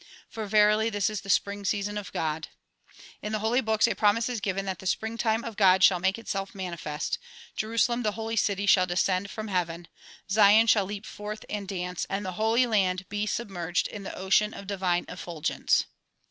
For verily this is the spring season of God. In the holy books a promise is given that the spring time of God shall make itself manifest, Jerusalem the holy city shall descend from heaven, Zion shall leap forth and dance and the Holy Land be submerged in the ocean of divine effulgence.